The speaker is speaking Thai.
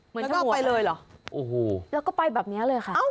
เหมือนชะมวลแล้วก็ไปเลยหรอแล้วก็ไปแบบนี้เลยค่ะ